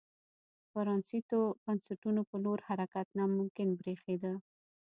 پرانیستو بنسټونو په لور حرکت ناممکن برېښېده.